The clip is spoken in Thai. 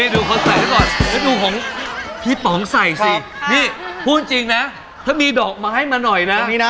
ดูเขาใส่ด้วยก่อนดูของพี่ป๋องใส่สิพูดจริงนะถ้ามีดอกไม้มาหน่อยนะ